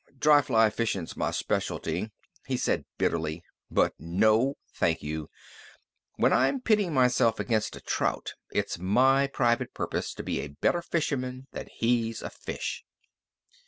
"Dry fly fishin's my specialty," he said bitterly, "but no thank you! When I'm pittin' myself against a trout, it's my private purpose to be a better fisherman than he's a fish.